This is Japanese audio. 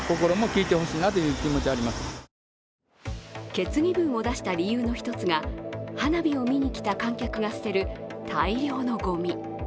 決議文を出した理由の一つが、花火を見に来た観客が捨てる大量のごみ。